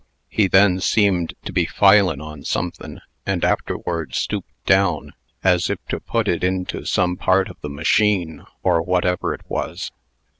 He then seemed to be filin' on somethin', and afterward stooped down, as if to put it into some part of the machine, or whatever it was.